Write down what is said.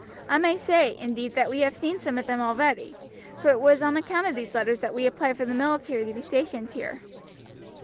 I may say, indeed, that we have seen some of them already, for it was on account of these letters that we applied for the military to be stationed here."